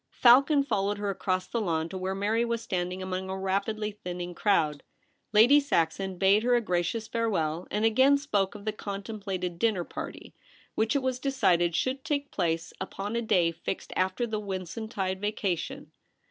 Falcon followed her across the lawn to where Mary was standing among a rapidly thinning crowd. Lady Saxon bade her a gracious farewell, and again spoke of the con templated dinner party, which it was decided should take place upon a day fixed after the Whitsuntide vacation.